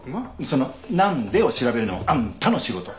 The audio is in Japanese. その「なんで？」を調べるのはあんたの仕事！